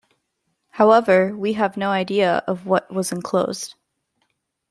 However, we have no idea of what was enclosed.